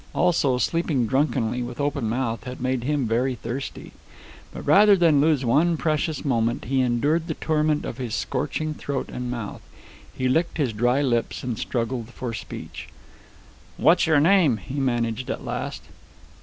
Also, sleeping drunkenly, with open mouth, had made him very thirsty. But, rather than lose one precious moment, he endured the torment of his scorching throat and mouth. He licked his dry lips and struggled for speech. "What is your name?" he managed at last.